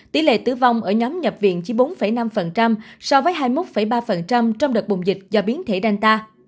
tỷ lệ tử vong ở nhóm nhập viện chỉ bốn năm so với hai mươi một ba trong đợt bùng dịch do biến thể danta